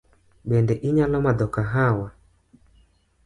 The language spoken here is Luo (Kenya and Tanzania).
Bende inyalo madho kahawa?